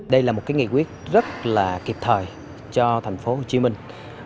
đây là một nghị quyết rất là kịp thời cho thành phố hồ chí minh